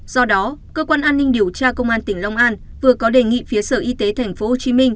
do đó cơ quan an ninh điều tra công an tỉnh long an vừa có đề nghị phía sở y tế tp hcm